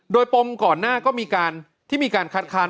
โดยปมก่อนหน้าก็มีการที่มีการคัดค้าน